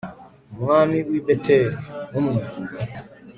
umwami w'i beteli, umwe